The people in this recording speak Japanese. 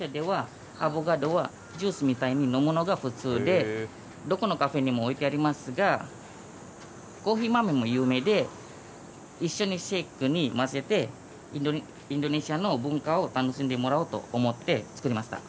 実はインドネシアでは、アボカドはジュースみたいに飲むのが普通で、どこのカフェにも置いてありますが、コーヒー豆も有名で、一緒にシェイクに混ぜて、インドネシアの文化を楽しんでもらおうと思って作りました。